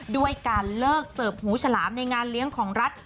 ด้วยการเลิกเสิร์ฟหูฉลามในงานเลี้ยงของรัฐ